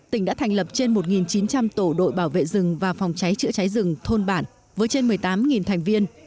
tỉnh đã thành lập trên một chín trăm linh tổ đội bảo vệ rừng và phòng cháy chữa cháy rừng thôn bản với trên một mươi tám thành viên